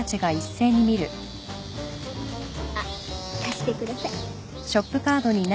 あっ貸してください